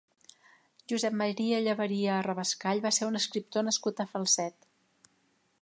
Josep Maria Llebaria Rabascall va ser un escriptor nascut a Falset.